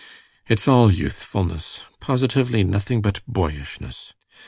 "It's all youthfulness—positively nothing but boyishness.